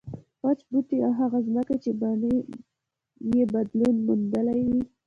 وچ بوټي او هغه ځمکې چې بڼې یې بدلون موندلی وي.